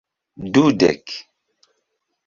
dudek